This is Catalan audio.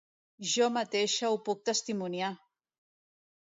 Jo mateixa ho puc testimoniar!